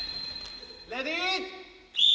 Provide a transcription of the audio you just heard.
レディー。